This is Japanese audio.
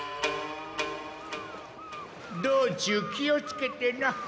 道中気をつけてな。